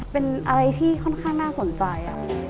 เป็นอะไรที่ค่อนข้างน่าสนใจ